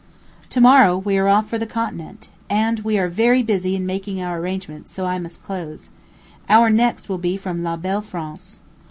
To morrow we are off for the continent, and we are very busy in making our arrangements; so I must close. Our next will be from _La Belle France.